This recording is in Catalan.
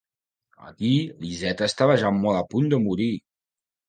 Aquí l'Izeta estava ja molt a punt de morir.